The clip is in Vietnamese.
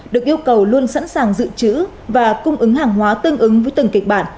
được yêu cầu luôn sẵn sàng dự trữ và cung ứng hàng hóa tương ứng với từng kịch bản